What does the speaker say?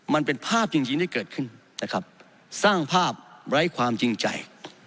มันเป็นภาพจริงที่เกิดขึ้นนะครับสร้างภาพไร้ความจริงใจ